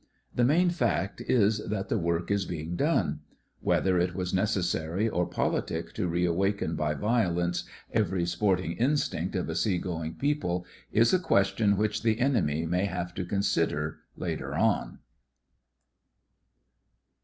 The main fact is that the work is being done. Whether it was neces sary or politic to re awaken by violence every sporting instinct of a sea going people is a question which the enemy may have to consider later on.